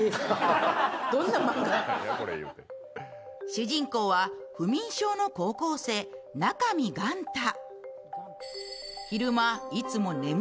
主人公は不眠症の高校生、中見丸太。